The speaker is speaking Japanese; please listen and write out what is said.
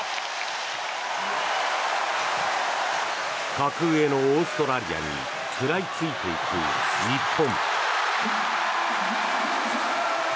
格上のオーストラリアに食らいついていく日本。